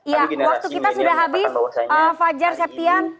ya waktu kita sudah habis fajar septian